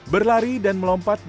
berlari dan melompat dengan kuda asli